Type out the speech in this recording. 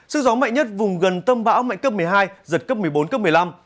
sức gió mạnh nhất vùng gần tâm bão mạnh cấp một mươi hai giật cấp một mươi bốn cấp một mươi năm